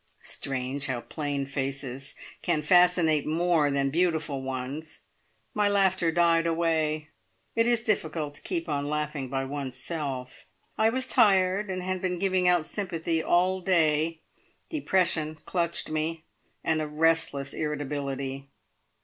Strange how plain faces can fascinate more than beautiful ones! My laughter died away. It is difficult to keep on laughing by oneself. I was tired, and had been giving out sympathy all day; depression clutched me, and a restless irritability.